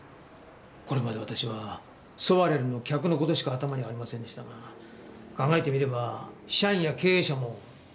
これまで私はソワレルの客の事しか頭にありませんでしたが考えてみれば社員や経営者も対象者です。